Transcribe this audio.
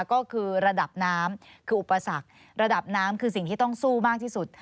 ก็คือระดับน้ำคืออุปสรรคระดับน้ำคือสิ่งที่ต้องสู้มากที่สุด